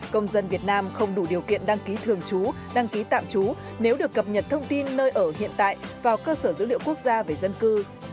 công dân việt nam không đủ điều kiện đăng ký thường trú đăng ký tạm trú nếu được cập nhật thông tin nơi ở hiện tại vào cơ sở dữ liệu quốc gia về dân cư